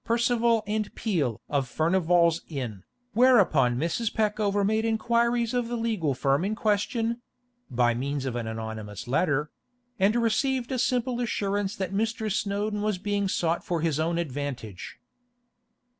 Percival & Peel of Furnival's Inn, whereupon Mrs. Peckover made inquiries of the legal firm in question (by means of an anonymous letter), and received a simple assurance that Mr. Snowdon was being sought for his own advantage.